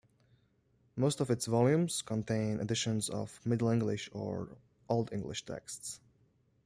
Most of its volumes contain editions of Middle English or Old English texts.